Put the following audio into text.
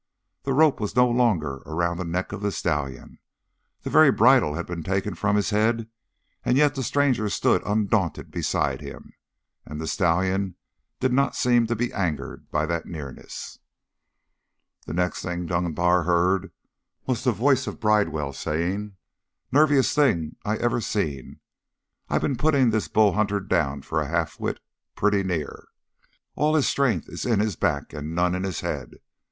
The rope was no longer around the neck of the stallion. The very bridle had been taken from his head, and yet the stranger stood undaunted beside him, and the stallion did not seem to be angered by that nearness. The next thing Dunbar heard was the voice of Bridewell saying, "Nerviest thing I ever seen. I been putting this Bull Hunter down for a half wit, pretty near. All his strength in his back and none in his head.